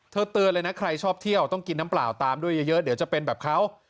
เตือนเลยนะใครชอบเที่ยวต้องกินน้ำเปล่าตามด้วยเยอะเดี๋ยวจะเป็นแบบเขา